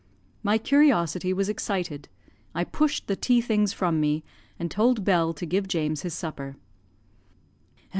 My curiosity was excited; I pushed the tea things from me, and told Bell to give James his supper.